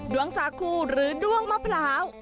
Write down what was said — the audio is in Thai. วงสาคูหรือด้วงมะพร้าว